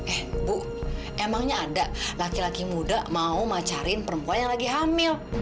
eh bu emangnya ada laki laki muda mau ngajarin perempuan yang lagi hamil